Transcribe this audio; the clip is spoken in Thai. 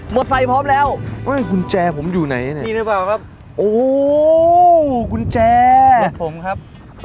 มอสไซค์พร้อมแล้วอ้าวกุญแจผมอยู่ไหนนี่ได้เปล่าครับโอ้โหกุญแจรถผมครับ